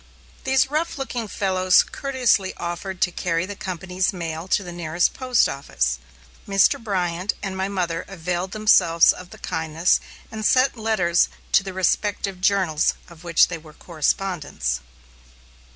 These rough looking fellows courteously offered to carry the company's mail to the nearest post office. Mr. Bryant and my mother availed themselves of the kindness, and sent letters to the respective journals of which they were correspondents.